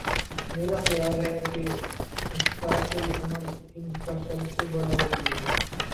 میرا خیال ہے کہ احتساب کا یہ عمل ان کا سب سے بڑا وکیل ہے۔